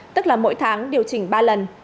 tức là mỗi tháng điều chỉnh ba lần